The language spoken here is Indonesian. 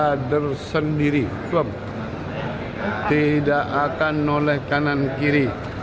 hadir sendiri tidak akan noleh kanan kiri